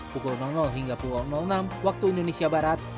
pukul hingga pukul enam waktu indonesia barat